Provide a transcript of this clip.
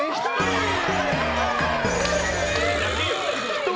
１人！